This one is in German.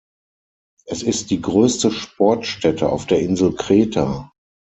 Es ist die größte Sportstätte auf der Insel Kreta.